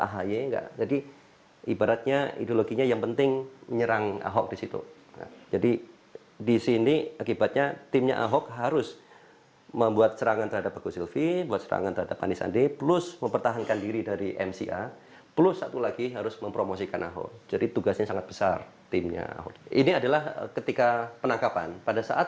harusnya ini kan membuat malu mca